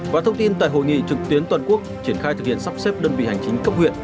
và thông tin tại hội nghị trực tuyến toàn quốc triển khai thực hiện sắp xếp đơn vị hành chính cấp huyện